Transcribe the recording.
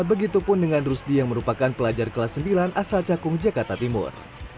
begitupun dengan rusdi yang merupakan pelajar kelas sembilan asal cakung jakarta timur